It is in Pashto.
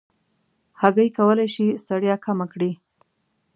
هګۍ کولی شي ستړیا کمه کړي.